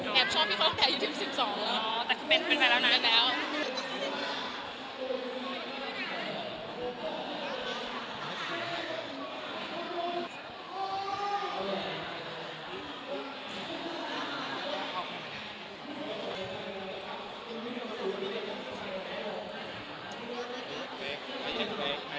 แบบชอบที่เขาตั้งแต่ยูทิวป์๑๒เนอะ